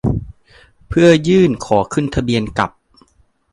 เพื่อยื่นขอขึ้นทะเบียนกับ